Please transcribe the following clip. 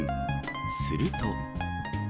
すると。